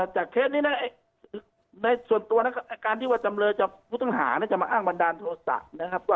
จากเคสนี้นะในส่วนตัวการที่วัฒน์จำเลยจากผู้ตำรวจก็จะมาอ้างบันดาลโทษศาสตร์นะครับ